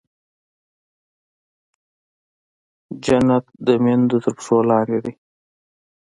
جنت د مېندو تر پښو لاندې دی.